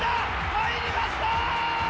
入りました！